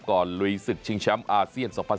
ลุยศึกชิงแชมป์อาเซียน๒๐๑๖